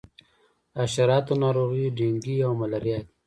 د حشراتو ناروغۍ ډینګي او ملیریا دي.